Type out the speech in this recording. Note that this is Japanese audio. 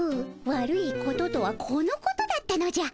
悪いこととはこのことだったのじゃ。